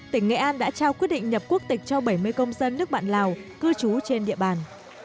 tỉnh nghệ an đã trao quyết định nhập quốc tịch cho bảy mươi công dân nước bạn lào cư trú trên địa bàn